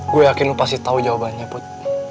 gue yakin lo pasti tahu jawabannya put